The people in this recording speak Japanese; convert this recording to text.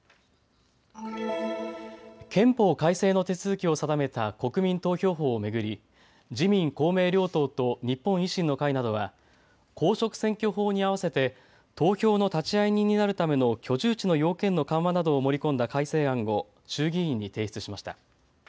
憲法改正の手続きを定めた国民投票法を巡り自民公明両党と日本維新の会などは公職選挙法にあわせて投票の立会人になるための居住地の要件の緩和などを盛り込んだ改正案を衆議院に提出しました。